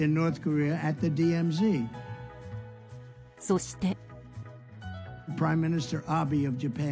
そして。